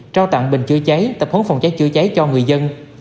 trao tặng bình chữa cháy tập hấn phòng cháy chữa cháy cho người dân